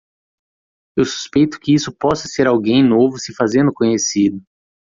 Eu suspeito que isso possa ser alguém novo se fazendo conhecido.